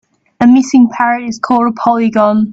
A missing parrot is called a polygon.